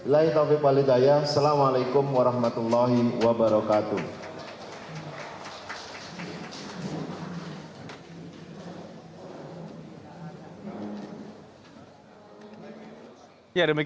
laila'i taufiq wa'alaikumsalam